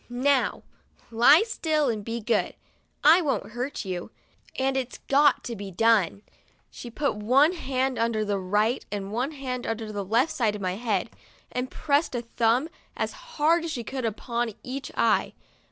'Now, lie still and be good! I won't hurt you, and it's got to be done." She put one hand under the right and one hand under the left side of my head, and pressed a thumb, as hard as she could, upon each eye.